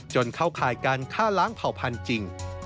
เข้าข่ายการฆ่าล้างเผ่าพันธุ์จริง